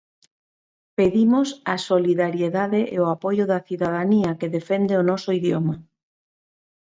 Pedimos a solidariedade e apoio da cidadanía que defende o noso idioma.